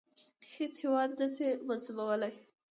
هیڅ هیواد نه سي منسوبولای.